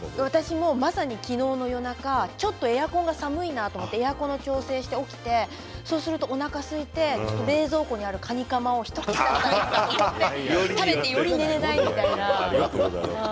まさに昨日の夜中エアコンが寒いなってエアコンの調整をして起きておなかがすいて冷蔵庫にあるカニかまを一口だけ食べてより眠れないみたいな。